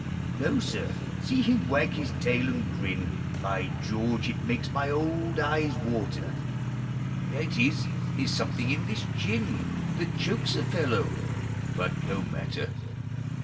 No, sir !— see him wag his tail and grin ! By George! it makes my old eyes water! — That is, there 's something in this gin That chokes a fellow. But no matter !